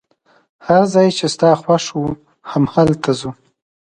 هر ځای چي ستا خوښ وو، همالته ځو.